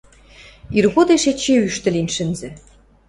Иргодеш эче ӱштӹ лин шӹнзӹ.